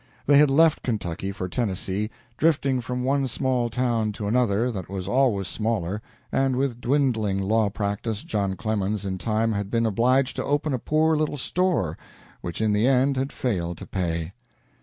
They had left Kentucky for Tennessee, drifting from one small town to another that was always smaller, and with dwindling law practice John Clemens in time had been obliged to open a poor little store, which in the end had failed to pay.